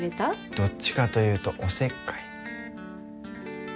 どっちかというとおせっかい。